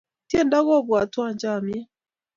tiendo kopuatwa chamiet